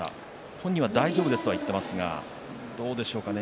本人は大丈夫ですとは言っていますがどうでしょうかね。